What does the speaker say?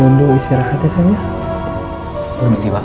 unduh istirahatnya saya permisi pak